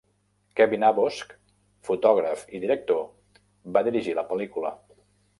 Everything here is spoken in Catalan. Kevin Abosch, fotògraf i director, va rigir la pel·lícula .